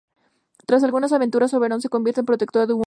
Tras algunas aventuras, Oberón se convierte en el protector de Huon.